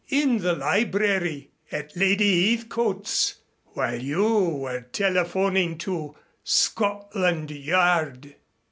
"In the library at Lady Heathcote's while you were telephoning to Scotland Yard."